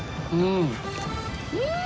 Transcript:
うん！